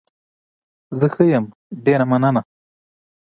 زه ښه يم، ډېره مننه.